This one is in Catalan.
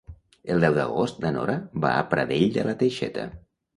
El deu d'agost na Nora va a Pradell de la Teixeta.